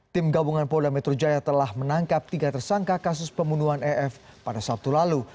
tim gabungan polda metro jaya telah menangkap tiga tersangka kasus pembunuhan ef pada sabtu lalu